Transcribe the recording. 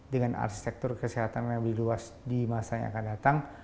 dan arsitektur kesehatan yang lebih luas di masa yang akan datang